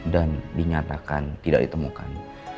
dan dinyatakan tidak ditemukan